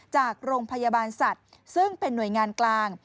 จากโรงพยาบาลสัตว์ซึ่งเป็นหน่วยงานกลาง